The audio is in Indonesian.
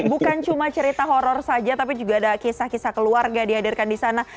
bukan cuma cerita horror saja tapi juga ada kisah kisah keluarga dihadirkan di sana